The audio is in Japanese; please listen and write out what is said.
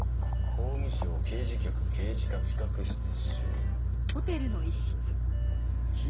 「法務省刑事局刑事課企画室主任」法務省？